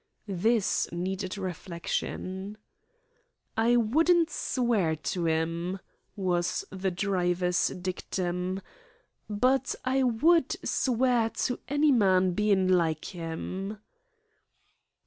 This needed reflection. "I wouldn't swear to 'im," was the driver's dictum, "but I would swear to any man bein' like 'im."